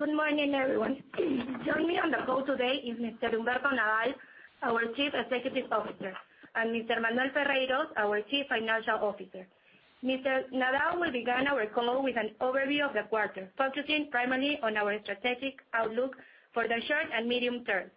Good morning, everyone. Joining me on the call today is Mr. Humberto Nadal, our Chief Executive Officer, and Mr. Manuel Ferreyros, our Chief Financial Officer. Mr. Nadal will begin our call with an overview of the quarter, focusing primarily on our strategic outlook for the short and medium term.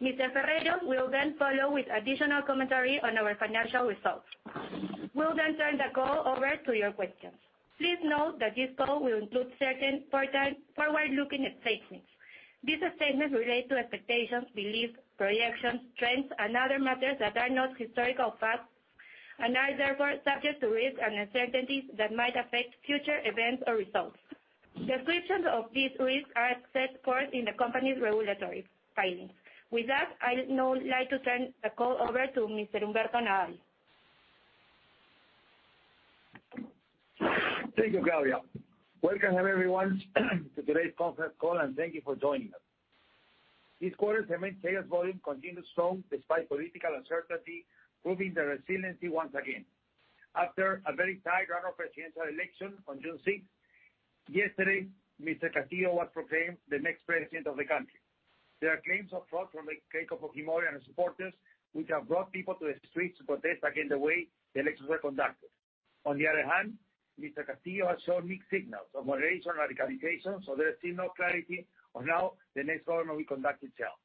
Mr. Ferreyros will then follow with additional commentary on our financial results. We'll then turn the call over to your questions. Please note that this call will include certain forward-looking statements. These statements relate to expectations, beliefs, projections, trends, and other matters that are not historical facts and are therefore subject to risks and uncertainties that might affect future events or results. Descriptions of these risks are set forth in the company's regulatory filings. With that, I'd now like to turn the call over to Mr. Humberto Nadal. Thank you, Claudia. Welcome everyone to today's conference call, and thank you for joining us. This quarter, cement sales volume continued strong despite political uncertainty, proving the resiliency once again. After a very tight runoff presidential election on June 6th, yesterday, Mr. Castillo was proclaimed the next president of the country. There are claims of fraud from Keiko Fujimori and her supporters, which have brought people to the streets to protest against the way the elections were conducted. On the other hand, Mr. Castillo has shown mixed signals of moderation and radicalization, so there is still no clarity on how the next government will conduct itself.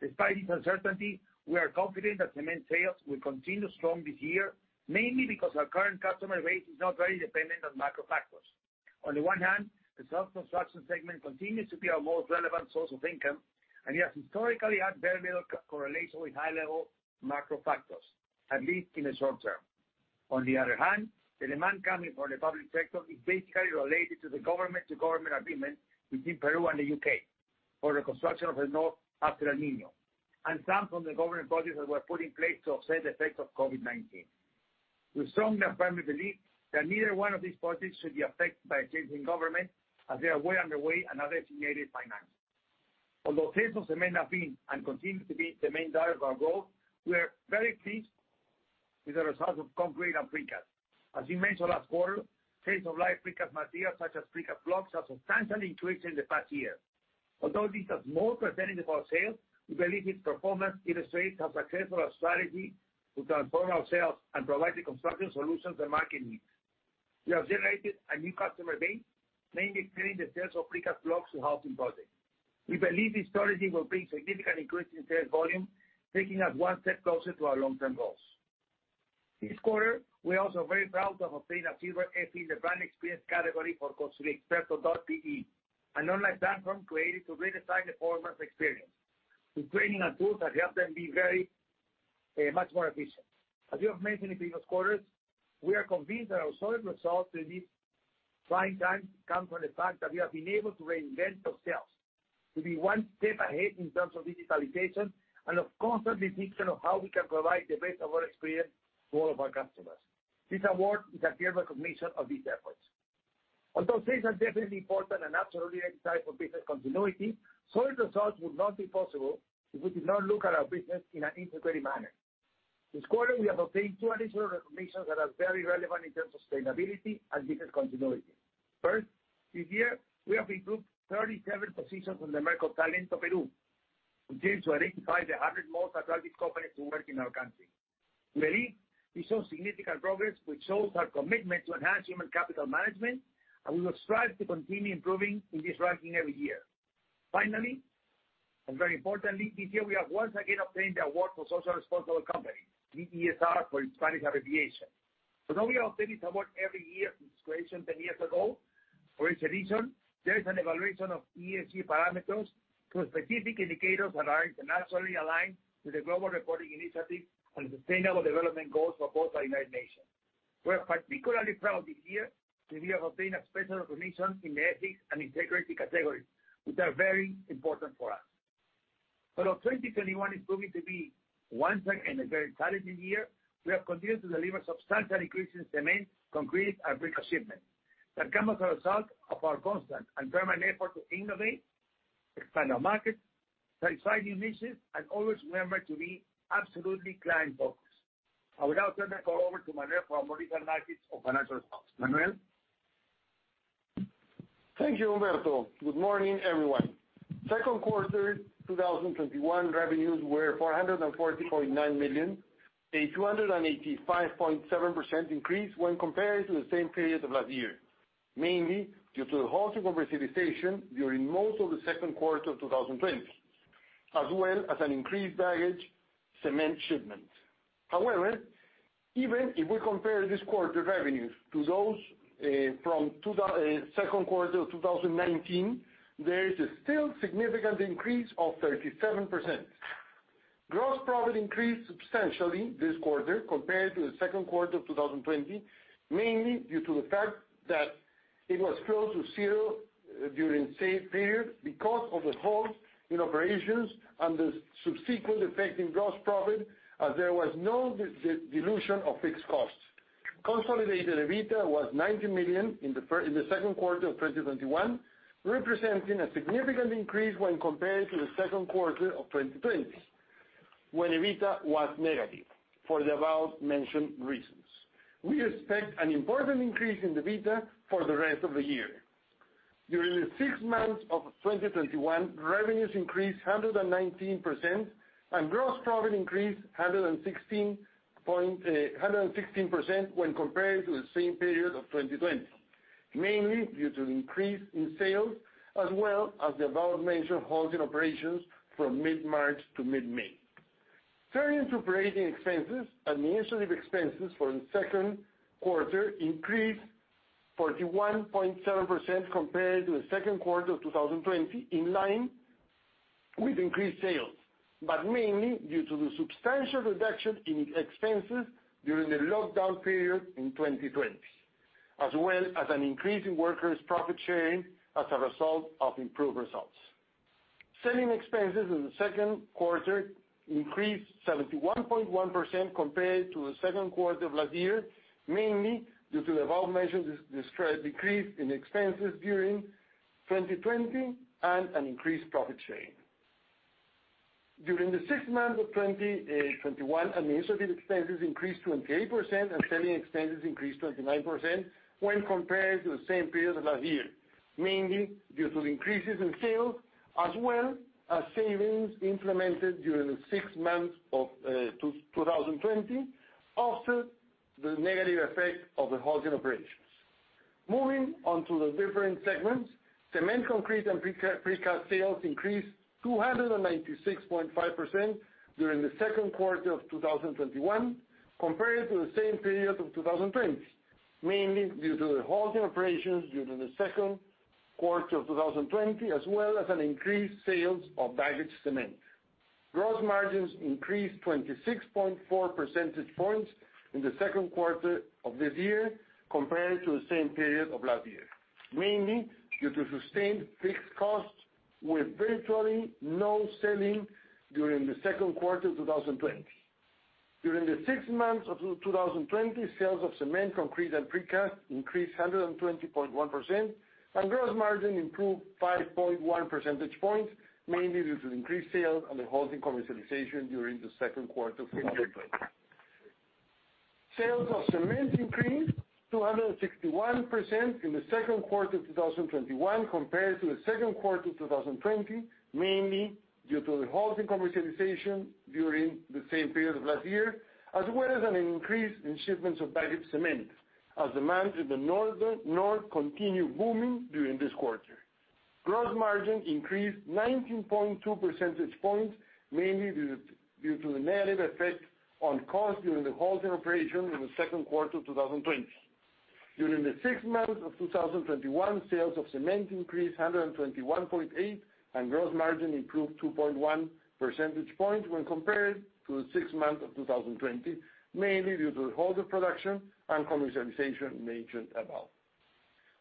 Despite this uncertainty, we are confident that cement sales will continue strong this year, mainly because our current customer base is not very dependent on macro factors. On the one hand, the self-construction segment continues to be our most relevant source of income, and it has historically had very little correlation with high-level macro factors, at least in the short term. On the other hand, the demand coming from the public sector is basically related to the government-to-government agreement between Peru and the U.K. for reconstruction of the North after El Niño, and some from the government projects that were put in place to offset the effects of COVID-19. We strongly and firmly believe that neither one of these projects should be affected by a change in government, as they are well underway and are designated financing. Although sales of cement have been and continue to be the main driver of our growth, we are very pleased with the results of concrete and precast. As we mentioned last quarter, sales of light precast materials such as precast blocks have substantially increased in the past year. Although this is more representative of our sales, we believe its performance illustrates how successful our strategy to transform ourselves and provide the construction solutions the market needs. We have generated a new customer base, mainly through the sales of precast blocks to housing projects. We believe this strategy will bring significant increase in sales volume, taking us one step closer to our long-term goals. This quarter, we are also very proud to have obtained a Silver Effie in the brand experience category for ConstruyeXperto.pe, an online platform created to redesign the homeowner's experience with training and tools that help them be very much more efficient. As we have mentioned in previous quarters, we are convinced that our solid results in these trying times come from the fact that we have been able to reinvent ourselves to be one step ahead in terms of digitalization and of constant detection of how we can provide the best of our experience to all of our customers. This award is a clear recognition of these efforts. Although sales are definitely important and absolutely necessary for business continuity, solid results would not be possible if we did not look at our business in an integrated manner. This quarter, we have obtained two additional recognitions that are very relevant in terms of sustainability and business continuity. First, this year, we have improved 37 positions on the Merco Talento Perú, which seeks to identify the 100 most attractive companies to work in our country. We believe we saw significant progress, which shows our commitment to enhance human capital management, and we will strive to continue improving in this ranking every year. Finally, very importantly, this year, we have once again obtained the award for Socially Responsible Company, the ESR for its Spanish abbreviation. Although we have obtained this award every year since creation 10 years ago, for each edition, there is an evaluation of ESG parameters through specific indicators that are internationally aligned to the Global Reporting Initiative on the Sustainable Development Goals proposed by United Nations. We're particularly proud this year that we have obtained a special recognition in the ethics and integrity categories, which are very important for us. Although 2021 is proving to be once such again a very challenging year, we have continued to deliver substantial increases in cement, concrete, and brick shipments that come as a result of our constant and permanent effort to innovate, expand our markets, satisfy new niches, and always remember to be absolutely client-focused. I will now turn the call over to Manuel for a brief analysis of financial results. Manuel? Thank you, Humberto. Good morning, everyone. Second quarter 2021 revenues were PEN 440.9 million, a 285.7% increase when compared to the same period of last year, mainly due to the halt of operations during most of the second quarter of 2020, as well as an increased bagged cement shipment. Even if we compare this quarter revenues to those from second quarter of 2019, there is a still significant increase of 37%. Gross profit increased substantially this quarter compared to the second quarter of 2020, mainly due to the fact that it was close to zero during the same period because of the halt in operations and the subsequent effect in gross profit, as there was no dilution of fixed costs. Consolidated EBITDA was PEN 90 million in the second quarter of 2021, representing a significant increase when compared to the second quarter of 2020, when EBITDA was negative for the above-mentioned reasons. We expect an important increase in EBITDA for the rest of the year. During the six months of 2021, revenues increased 119% and gross profit increased 116% when compared to the same period of 2020. Mainly due to increase in sales as well as the above-mentioned halting operations from mid-March to mid-May. Turning to operating expenses, administrative expenses for the second quarter increased 41.7% compared to the second quarter of 2020, in line with increased sales. Mainly due to the substantial reduction in expenses during the lockdown period in 2020, as well as an increase in workers' profit sharing as a result of improved results. Selling expenses in the second quarter increased 71.1% compared to the second quarter of last year, mainly due to the above-mentioned decrease in expenses during 2020 and an increased profit share. During the six months of 2021, administrative expenses increased 28% and selling expenses increased 29% when compared to the same period of last year, mainly due to the increases in sales as well as savings implemented during the six months of 2020 after the negative effect of the halting operations. Moving on to the different segments, cement, concrete, and precast sales increased 296.5% during the second quarter of 2021 compared to the same period of 2020, mainly due to the halting operations during the second quarter of 2020, as well as an increased sales of bagged cement. Gross margins increased 26.4 percentage points in the second quarter of this year compared to the same period of last year, mainly due to sustained fixed costs with virtually no selling during the second quarter of 2020. During the six months of 2020, sales of cement, concrete, and precast increased 120.1%, and gross margin improved 5.1 percentage points, mainly due to increased sales and the halting commercialization during the second quarter of 2020. Sales of cement increased 261% in the second quarter of 2021 compared to the second quarter of 2020, mainly due to the halting commercialization during the same period of last year, as well as an increase in shipments of bagged cement as demand in the North continued booming during this quarter. Gross margin increased 19.2 percentage points, mainly due to the negative effect on cost during the halting operation in the second quarter of 2020. During the six months of 2021, sales of cement increased 121.8% and gross margin improved 2.1 percentage points when compared to the six months of 2020, mainly due to the halt of production and commercialization mentioned above.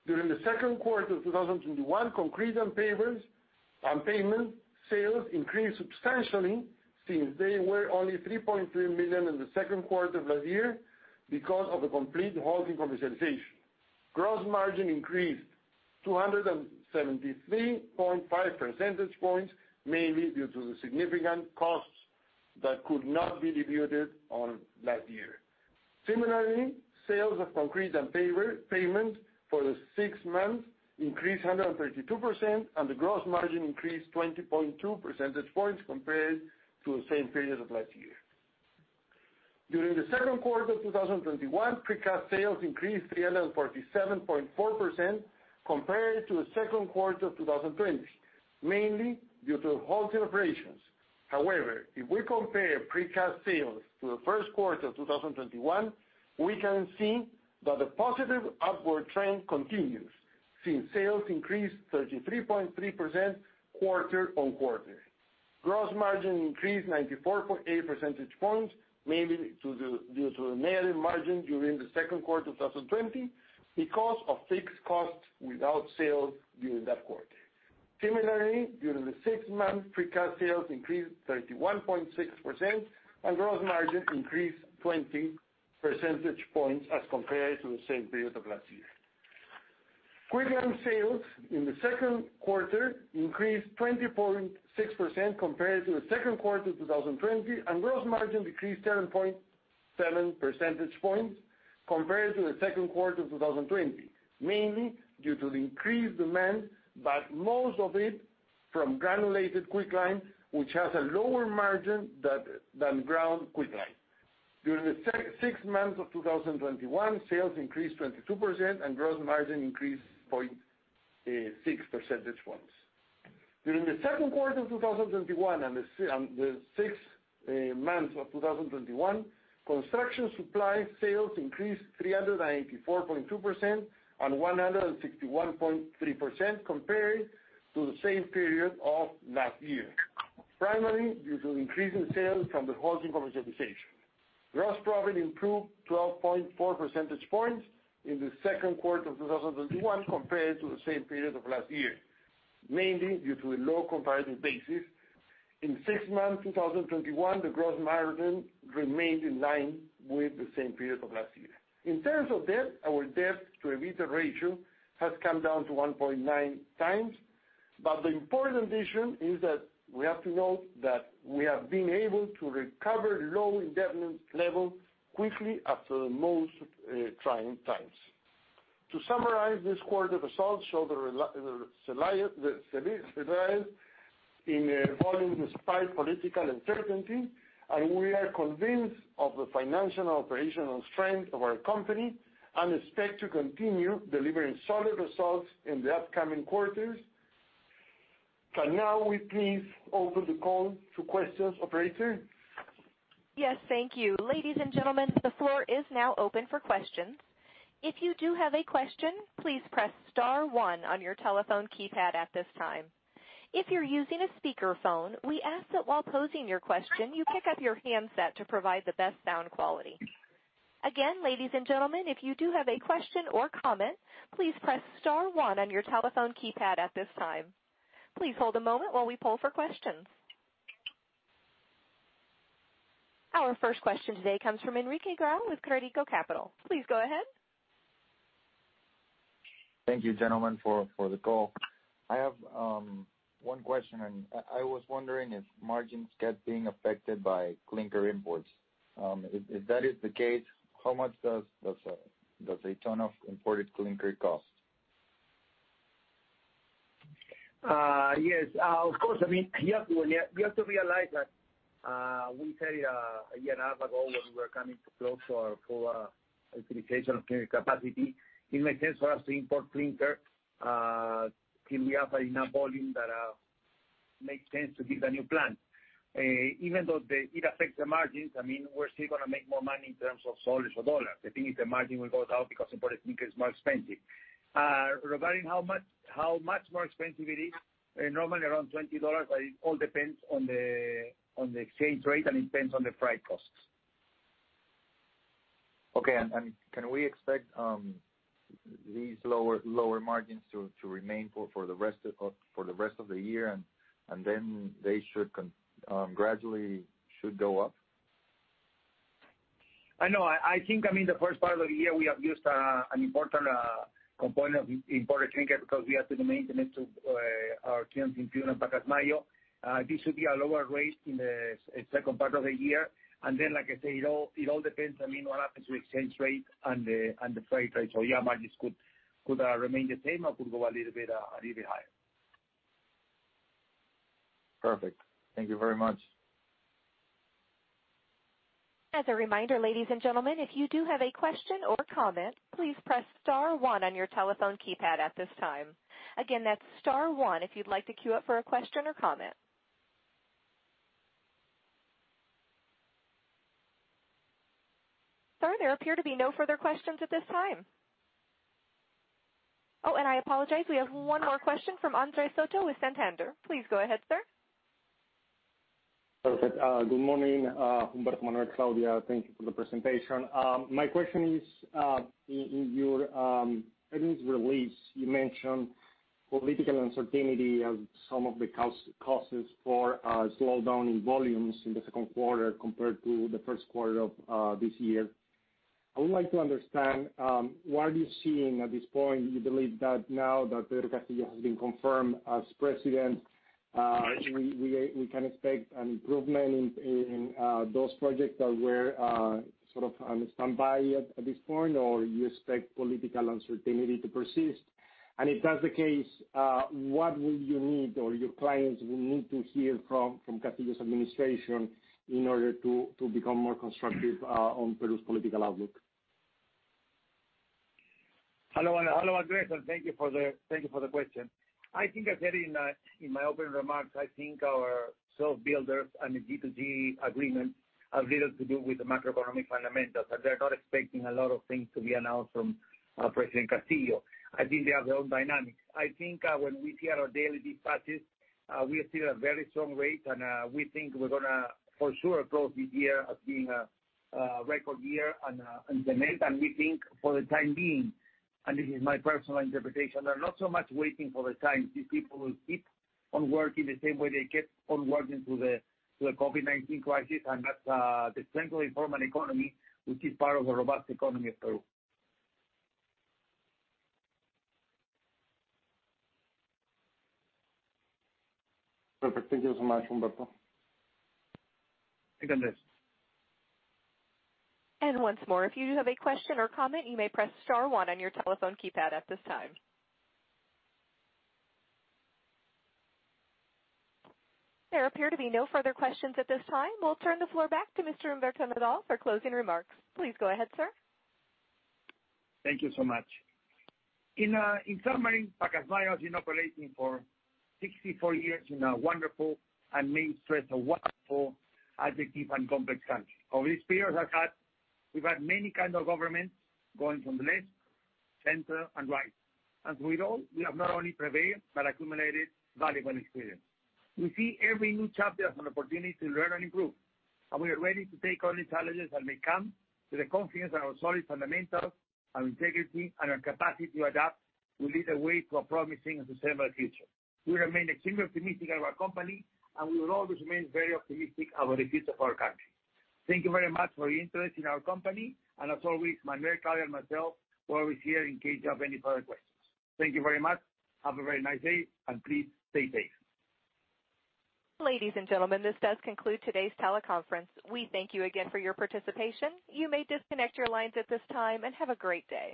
During the second quarter of 2021, concrete and pavement sales increased substantially since they were only PEN 3.3 million in the second quarter of last year because of the complete halting commercialization. Gross margin increased 273.5 percentage points, mainly due to the significant costs that could not be Debited on last year. Similarly, sales of concrete and pavement for the six months increased 132%, and the gross margin increased 20.2 percentage points compared to the same period of last year. During the second quarter of 2021, precast sales increased 347.4% compared to the second quarter of 2020, mainly due to halting operations. However, if we compare precast sales to the first quarter of 2021, we can see that the positive upward trend continues, since sales increased 33.3% quarter-on-quarter. Gross margin increased 94.8 percentage points, mainly due to the negative margin during the second quarter of 2020 because of fixed costs without sales during that quarter. Similarly, during the six months, precast sales increased 31.6% and gross margin increased 20 percentage points as compared to the same period of last year. Quicklime sales in the second quarter increased 20.6% compared to the second quarter of 2020, and gross margin decreased 7.7 percentage points compared to the second quarter of 2020, mainly due to the increased demand, but most of it from granulated quicklime, which has a lower margin than ground quicklime. During the six months of 2021, sales increased 22% and gross margin increased 0.6 percentage points. During the second quarter of 2021 and the six months of 2021, construction supply sales increased 394.2% and 161.3% compared to the same period of last year, primarily due to increase in sales from the halt in commercialization. Gross profit improved 12.4 percentage points in the second quarter of 2021 compared to the same period of last year, mainly due to a low comparative basis. In six months 2021, the gross margin remained in line with the same period of last year. In terms of debt, our debt-to-EBITDA ratio has come down to 1.9x. The important addition is that we have to note that we have been able to recover low indebtedness level quickly after the most trying times. To summarize this quarter's results, show the resilience in volume despite political uncertainty, and we are convinced of the financial and operational strength of our company and expect to continue delivering solid results in the upcoming quarters. Can now we please open the call to questions, operator? Yes, thank you. Ladies and gentlemen, the floor is now open for questions. If you do have a question, please press star one on your telephone keypad at this time. If you're using a speakerphone, we ask that while posing your question, you pick up your handset to provide the best sound quality. Again, ladies and gentlemen, if you do have a question or comment, please press star one on your telephone keypad at this time. Please hold a moment while we poll for questions. Our first question today comes from Enrique Grau with Credicorp Capital. Please go ahead. Thank you, gentlemen, for the call. I have one question. I was wondering if margins kept being affected by clinker imports. If that is the case, how much does a ton of imported clinker cost? Yes. Of course, you have to realize that we said a year and a half ago, when we were coming to close for our full utilization of clinker capacity, it makes sense for us to import clinker till we have enough volume that makes sense to build a new plant. Even though it affects the margins, we're still going to make more money in terms of soles or dollars. The thing is, the margin will go down because imported clinker is more expensive. Regarding how much more expensive it is, normally around $20, but it all depends on the exchange rate, and it depends on the freight costs. Okay. Can we expect these lower margins to remain for the rest of the year, and then they gradually should go up? No. I think the first part of the year, we have used an important component of imported clinker because we had to do maintenance of our kilns in Piura and Pacasmayo. This should be at a lower rate in the second part of the year. Like I say, it all depends what happens to exchange rate and the freight rate. Yeah, margins could remain the same or could go a little bit higher. Perfect. Thank you very much. As a reminder, ladies and gentlemen, if you do have a question or comment, please press star one on your telephone keypad at this time. Again, that's star one if you'd like to queue up for a question or comment. Sir, there appear to be no further questions at this time. Oh, I apologize. We have one more question from Andres Soto with Santander. Please go ahead, sir. Perfect. Good morning, Humberto, Manuel, Claudia. Thank you for the presentation. My question is, in your earnings release, you mentioned political uncertainty as some of the causes for a slowdown in volumes in the second quarter compared to the first quarter of this year. I would like to understand, what are you seeing at this point? Do you believe that now that Pedro Castillo has been confirmed as president we can expect an improvement in those projects that were sort of on standby at this point, or you expect political uncertainty to persist? If that's the case, what will you need or your clients will need to hear from Castillo's administration in order to become more constructive on Peru's political outlook? Hello, Andres. Thank you for the question. I think I said in my opening remarks, I think our self-builders and the G2G agreements have little to do with the macroeconomic fundamentals, as they're not expecting a lot of things to be announced from President Castillo. I think they have their own dynamics. I think when we clear our daily dispatches, we are still at very strong rates, and we think we're going to for sure close this year as being a record year and the next. We think for the time being, and this is my personal interpretation, they're not so much waiting for the time. These people will keep on working the same way they kept on working through the COVID-19 crisis, and that's the strength of the informal economy, which is part of the robust economy of Peru. Perfect. Thank you so much, Humberto. Thank you, Andres. Once more, if you have a question or comment, you may press star one on your telephone keypad at this time. There appear to be no further questions at this time. We'll turn the floor back to Mr. Humberto Nadal for closing remarks. Please go ahead, sir. Thank you so much. In summary, Pacasmayo has been operating for 64 years in a wonderful, and may I stress, a wonderful and complex country. Over this period, we've had many kind of governments, going from the left, center, and right. Through it all, we have not only prevailed, but accumulated valuable experience. We see every new chapter as an opportunity to learn and improve, and we are ready to take on the challenges that may come with the confidence in our solid fundamentals, our integrity, and our capacity to adapt will lead the way to a promising and sustainable future. We remain extremely optimistic of our company, and we will always remain very optimistic about the future of our country. Thank you very much for your interest in our company, and as always, Manuel, Claudia, and myself, we're always here in case you have any further questions. Thank you very much. Have a very nice day, and please stay safe. Ladies and gentlemen, this does conclude today's teleconference. We thank you again for your participation. You may disconnect your lines at this time, and have a great day.